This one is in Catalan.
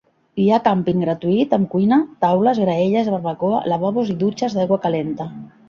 Hi ha càmping gratuït amb cuina, taules, graelles, barbacoa, lavabos i dutxes d'aigua calenta.